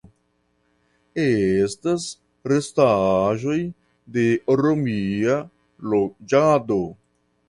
Estas restaĵoj de romia loĝado.